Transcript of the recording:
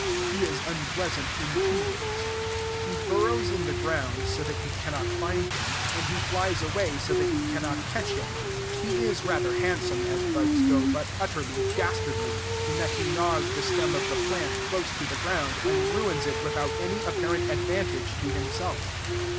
He is unpleasant in two ways. He burrows in the ground so that you cannot find him, and he flies away so that you cannot catch him. He is rather handsome, as bugs go, but utterly dastardly, in that he gnaws the stem of the plant close to the ground, and ruins it without any apparent advantage to himself.